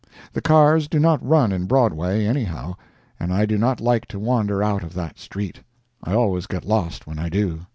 The cars do not run in Broadway, anyhow, and I do not like to wander out of that street. I always get lost when I do.